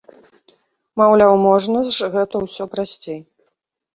Маўляў, можна ж гэта ўсё прасцей!